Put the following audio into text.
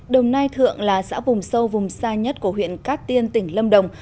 đồng nai thượng là xã vùng sâu vùng xa nhất của huyện cát tiên tỉnh lâm đồng